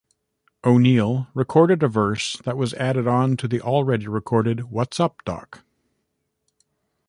O'Neal recorded a verse that was added on to the already-recorded What's up, Doc?